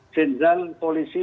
jenderal polisi lombok